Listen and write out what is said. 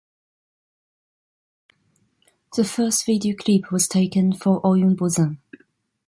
The first video clip was taken for "Oyunbozan".